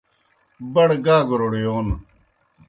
بڑہ گاگروڑ یون